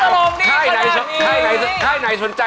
วันที่เธอพบมันในหัวใจฉัน